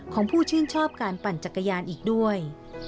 ของผู้ชื่นชอบการปั่นจักรยานอีกด้วย